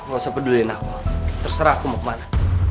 nggak usah peduliin aku terserah aku mau kemana